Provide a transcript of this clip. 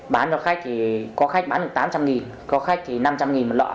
bán cho khách thì có khách bán được tám trăm linh có khách thì năm trăm linh một lọ